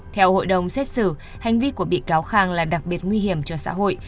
theo hội đồng xét xử hành vi của bị cáo khang là đặc biệt nguy hiểm cho xã hội